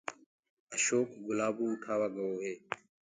اشوڪ گلآبو اُٺآوآ گوو هي